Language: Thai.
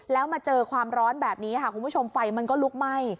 แล้วมาเจอความร้อนแบบนี้ค่ะคุณผู้ชมไฟมันก็ลุกไหม้